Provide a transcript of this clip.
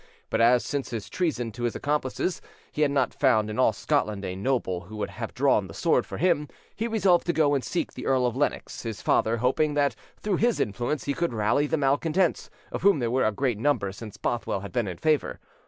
But as, since his treason to his accomplices, he had not found in all Scotland a noble who would have drawn the sword for him, he resolved to go and seek the Earl of Lennox, his father, hoping that through his influence he could rally the malcontents, of whom there were a great number since Bothwell had been in favour.